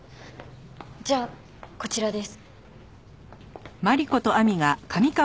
じゃあこちらです。